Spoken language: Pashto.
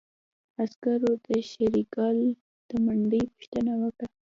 عسکرو د شېرګل د منډې پوښتنه وکړه.